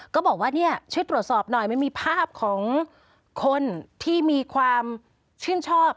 ก็บอกว่าเนี่ยช่วยตรวจสอบหน่อยมันมีภาพของคนที่มีความชื่นชอบ